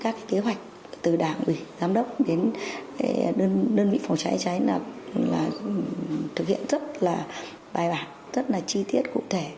các kế hoạch từ đảng ủy giám đốc đến đơn vị phòng cháy cháy là thực hiện rất là bài bản rất là chi tiết cụ thể